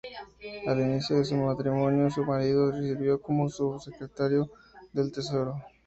Al inicio de su matrimonio, su marido sirvió como Subsecretario del Tesoro.